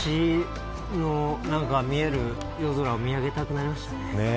星が見える夜空を見上げたくなりました。